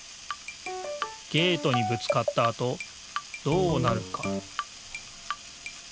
ゲートにぶつかったあとどうなるか？